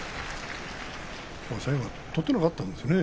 最後は取っていなかったんですね。